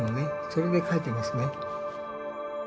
それで書いてますね。